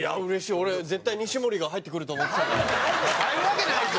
俺、絶対、西森が入ってくると思ってたから。